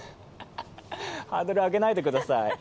ハードル上げないでください。